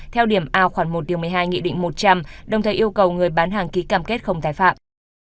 theo điểm a khoảng một một mươi hai nghị định một trăm linh đồng thời yêu cầu người bán hàng ký cảm kết không thái phạm